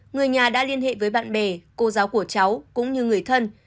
người nhà đã liên hệ với bạn bè cô giáo của cháu cũng như người thân